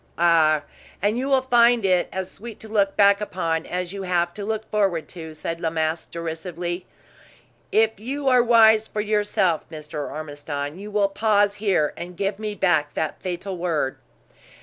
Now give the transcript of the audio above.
"Ah! And you will find it as sweet to look back upon as you have to look forward to," said La Masque, derisively. "If you are wise for yourself, Mr. Ormiston, you will pause here, and give me back that fatal word."